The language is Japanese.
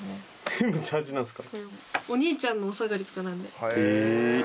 全部ジャージなんすか？